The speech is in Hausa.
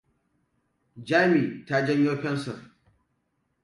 Jami ta janyo fensir.